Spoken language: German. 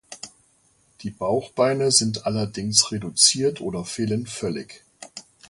Die Bauchbeine sind allerdings reduziert oder fehlen völlig.